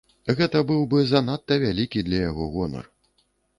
Гэта быў бы занадта вялікі для яго гонар.